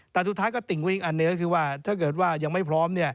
แต่สุดท้ายก็ติ่งอีกอันเนื้อถ้าเกิดว่ายังไม่พร้อม